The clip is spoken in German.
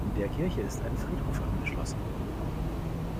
Der Kirche ist ein Friedhof angeschlossen.